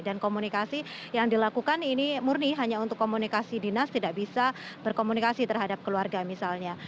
dan komunikasi yang dilakukan ini murni hanya untuk komunikasi dinas tidak bisa berkomunikasi terhadap keluarga misalnya